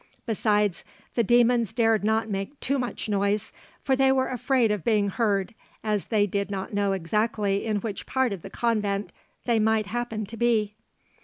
Besides, the demons dared not make too much noise, for they were afraid of being heard, as they did not know exactly in which part of the convent they might happen to be.